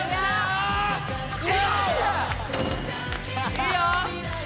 いいよ！